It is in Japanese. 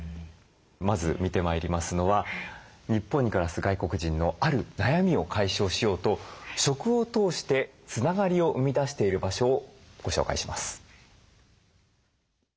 まず見てまいりますのは日本に暮らす外国人のある悩みを解消しようと食を通してつながりを生み出している場所をご紹介します。